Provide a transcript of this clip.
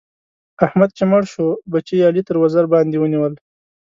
احمد چې مړ شو؛ بچي يې علي تر وزر باندې ونيول.